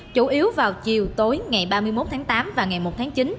chủ yếu vào chiều tối ngày ba mươi một tháng tám và ngày một tháng chín